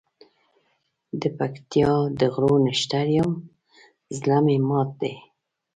دپکتیا د غرو نښتر یم زړه مي مات دی